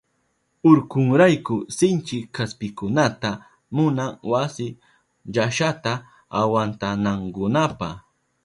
Urkunrayku sinchi kaspikunata munan wasi llashata awantanankunapa.